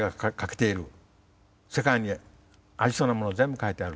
世界にありそうなものを全部書いてある。